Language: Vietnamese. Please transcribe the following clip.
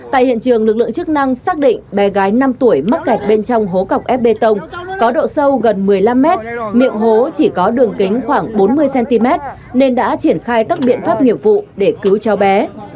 tại hiện trường lực lượng chức năng xác định bé gái năm tuổi mắc kẹt bên trong hố cọc ép bê tông có độ sâu gần một mươi năm mét miệng hố chỉ có đường kính khoảng bốn mươi cm nên đã triển khai các biện pháp nghiệp vụ để cứu cháu bé